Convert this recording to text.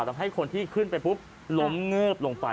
ทำให้คนที่ขึ้นไปปุ๊บล้มเงิบลงไป